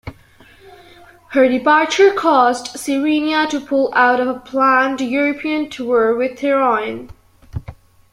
Her departure caused "Sirenia" to pull out of a planned European tour with "Therion".